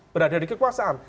berada di kekuasaan